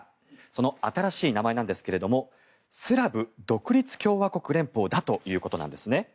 その新しい名前なんですけどもスラブ独立共和国連邦だということなんですね。